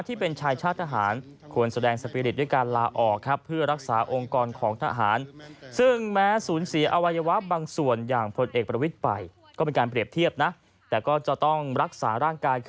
ที่เป็นชายชาติทหาร